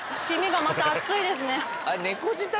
黄身がまた熱いですね。